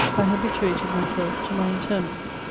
I hahitoated myself to my intennent.